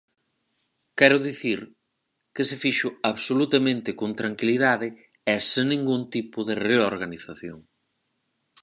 Quero dicir que se fixo absolutamente con tranquilidade e sen ningún tipo de reorganización.